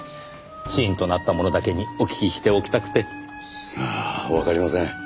死因となったものだけにお聞きしておきたくて。さあわかりません。